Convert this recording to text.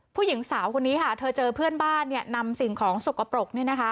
ผู้หญิงสาวคนนี้ค่ะเธอเจอเพื่อนบ้านเนี่ยนำสิ่งของสกปรก